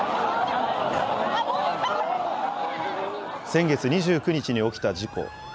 先月２９日に起きた事故。